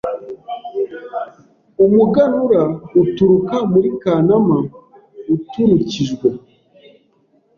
Umuganura uturuka muri Kanama Uturukijwe